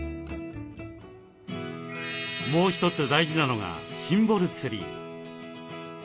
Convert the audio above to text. もう一つ大事なのがシンボルツリー。